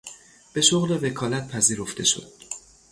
به شغل وکالت پذیرفته شد.